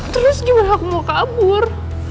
terus gimana aku mau kabur